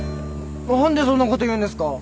何でそんなこと言うんですか！？